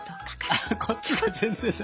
あこっちが全然だ。